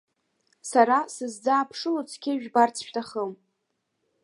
Сара сызӡааԥшыло цқьа ижәбарц шәҭахым!